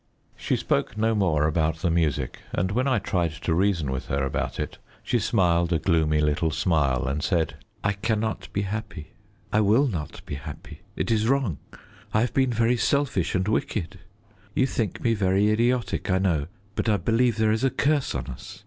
She spoke no more about the music, and when I tried to reason with her about it she smiled a gloomy little smile, and said "I cannot be happy. I will not be happy. It is wrong. I have been very selfish and wicked. You think me very idiotic, I know, but I believe there is a curse on us.